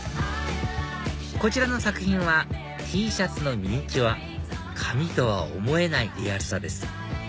こちらの作品はＴシャツのミニチュア紙とは思えないリアルさです